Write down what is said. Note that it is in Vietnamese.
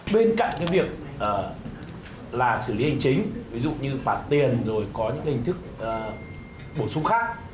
bên cạnh việc xử lý hành chính ví dụ như phạt tiền có những hình thức bổ sung khác